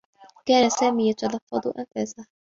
كان سامي يتلفّظ أنفاسه.